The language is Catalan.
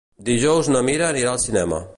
Dijous na Mira anirà al cinema.